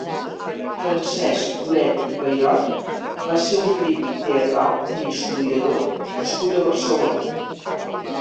Francesc Curet i Payrot va ser un crític teatral i historiador nascut a Barcelona.